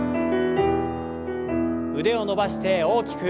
腕を伸ばして大きく。